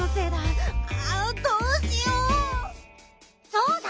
そうだ。